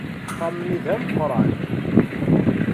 Axxam-nni d ameqqran.